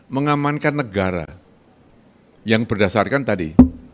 mengamankan negara yang berdasarkan tadi